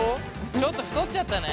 ちょっと太っちゃったね。